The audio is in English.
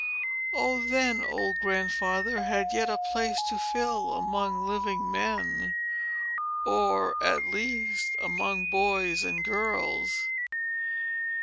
Oh, then, old Grandfather had yet a place to fill among living men,—or at least among boys and girls!